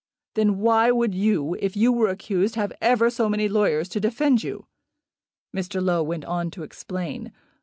"Then why would you, if you were accused, have ever so many lawyers to defend you?" Mr. Low went on to explain.